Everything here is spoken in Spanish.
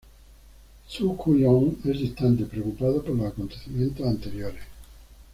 Su-Kyoung es distante, preocupado por los acontecimientos anteriores.